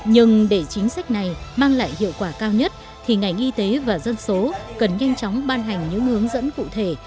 nhưng để chính sách này mang lại hiệu quả cao nhất thì ngành y tế và dân số cần nhanh chóng ban hành những hướng dẫn cụ thể